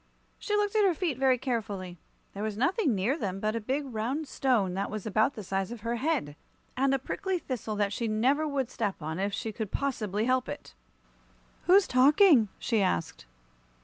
She looked at her feet very carefully. There was nothing near them but a big round stone that was about the size of her head, and a prickly thistle that she never would step on if she could possibly help it. "Who's talking?" she asked.